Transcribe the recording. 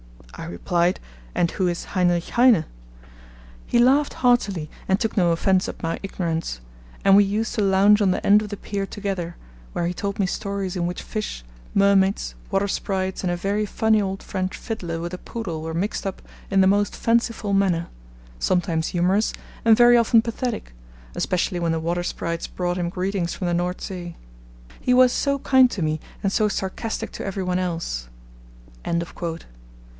I replied, "And who is Heinrich Heine?" He laughed heartily and took no offence at my ignorance; and we used to lounge on the end of the pier together, where he told me stories in which fish, mermaids, water sprites and a very funny old French fiddler with a poodle were mixed up in the most fanciful manner, sometimes humorous, and very often pathetic, especially when the water sprites brought him greetings from the "Nord See." He was ... so kind to me and so sarcastic to every one else.'